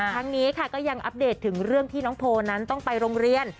ทั้งนี้ค่ะก็ยังอัปเดตถึงเรื่องที่น้องโพลนั้นต้องไปโรงเรียน